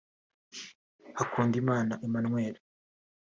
Hakundimana Emmanuel